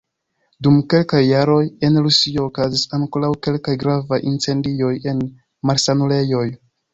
Dum kelkaj jaroj en Rusio okazis ankoraŭ kelkaj gravaj incendioj en malsanulejoj.